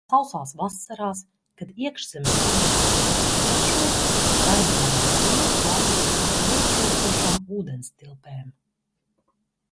Sausās vasarās, kad iekšzemes ūdenstilpes izžūst, raibumainā pīle pārceļas uz neizžūstošām ūdenstilpēm.